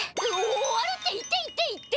終わるって言って言って言って！